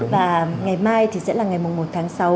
và ngày mai thì sẽ là ngày một tháng sáu